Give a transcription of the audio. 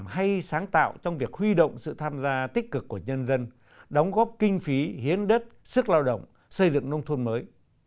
hay sáng tạo trong việc huy động sự tham gia tích cực của nhân dân đóng góp kinh phí hiến đất sức lao động xây dựng nông thôn mới